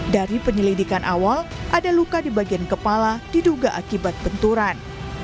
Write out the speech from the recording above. dari penyelidikan awal ada luka di bagian kepala diduga akibat benturan